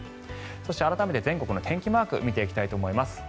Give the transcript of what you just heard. そして、改めて全国の天気マークを見ていきたいと思います。